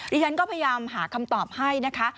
ดิฉันก็พยายามหาคำตอบให้นะคะ